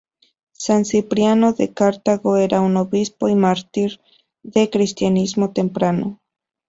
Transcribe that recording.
San Cipriano de Cartago era un obispo y mártir del cristianismo temprano.